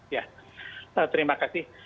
ya terima kasih